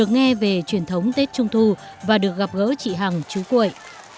nghe về truyền thống tết trung thu và được gặp gỡ chị hằng chú cuội